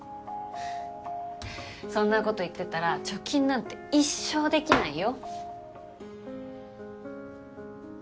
そんなこと言ってたら貯金なんて一生できないよ。